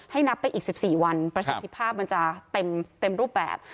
นับไปอีก๑๔วันประสิทธิภาพมันจะเต็มรูปแบบ